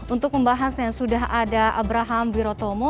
untuk pembahas yang sudah ada abraham wirotomo